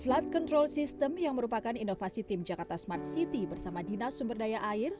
flood control system yang merupakan inovasi tim jakarta smart city bersama dinas sumberdaya air